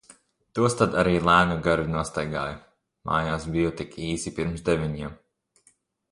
Tos tad arī lēnu garu nostaigāju. Mājās biju tik īsi pirms deviņiem.